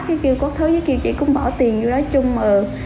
chỉ kêu có thứ chỉ kêu chị cũng bỏ tiền vô đó chung mượn